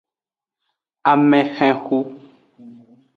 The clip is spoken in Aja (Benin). Amehenxu.